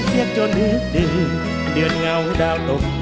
เสียงโจนดึกดึกเดือนเหงาดาวตก